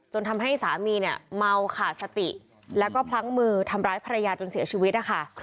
ทำให้สามีเนี่ยเมาขาดสติแล้วก็พลั้งมือทำร้ายภรรยาจนเสียชีวิตนะคะ